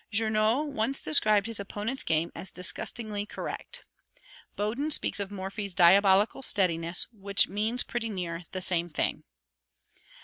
Journoud once described his opponent's game as "disgustingly correct;" Boden speaks of Morphy's "diabolical steadiness," which means pretty near the same thing.